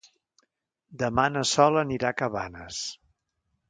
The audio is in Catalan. Demà na Sol anirà a Cabanes.